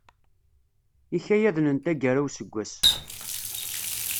Ikayaden n taggara n useggas.